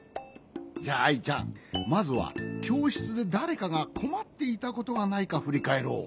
じゃあアイちゃんまずはきょうしつでだれかがこまっていたことがないかふりかえろう。